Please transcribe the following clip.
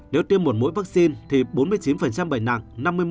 nếu tiêm một mũi vaccine thì bốn mươi chín bệnh nặng